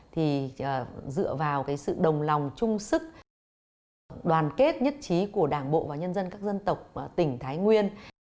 thì dựa vào cái sự đồng lòng chung sức đoàn kết nhất trí của đảng bộ và nhân dân các dân tộc tỉnh thái nguyên